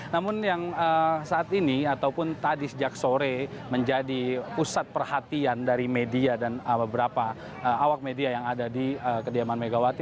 namun yang saat ini ataupun tadi sejak sore menjadi pusat perhatian dari media dan beberapa awak media yang ada di kediaman megawati